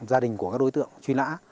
gia đình của các đối tượng truy nã